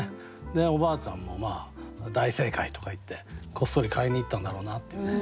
でおばあちゃんも「大正解」とか言ってこっそり買いに行ったんだろうなっていうね。